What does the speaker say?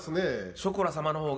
ショコラ様のほうが。